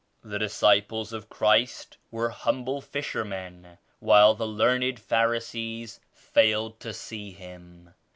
The disciples of Christ were humble fishermen while the learned Pharisees failed to see Him.